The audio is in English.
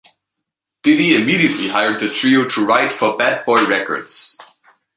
Diddy immediately hired the trio to write for Bad Boy Records.